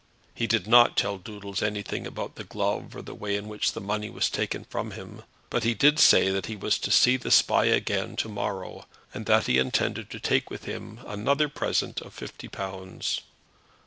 He did not tell Doodles anything about the glove, or the way in which the money was taken from him; but he did say that he was to see the Spy again to morrow, and that he intended to take with him another present of fifty pounds.